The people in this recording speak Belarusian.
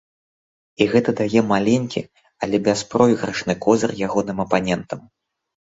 І гэта дае маленькі, але бяспройгрышны козыр ягоным апанентам.